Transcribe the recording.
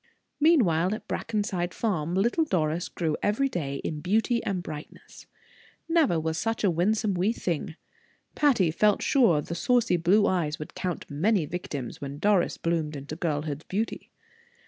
Meanwhile, at Brackenside Farm, little Doris grew every day in beauty and brightness. Never was such a winsome wee thing. Patty felt sure the saucy blue eyes would count many victims when Doris bloomed into girlhood's beauty.